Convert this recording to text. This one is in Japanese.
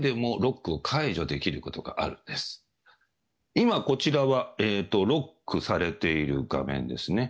今、こちらはロックされている画面ですね。